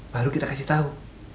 baru kita kasih tau